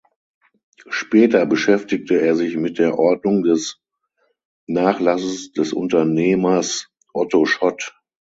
Später beschäftigte er sich mit der Ordnung des Nachlasses des Unternehmers Otto Schott.